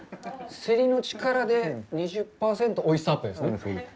せりの力で２０％おいしさアップですね。